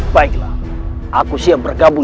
dan kita hancurkan bajajaran